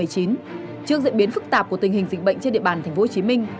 trước diễn biến phức tạp của tình hình dịch bệnh trên địa bàn thành phố hồ chí minh